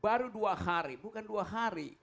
baru dua hari bukan dua hari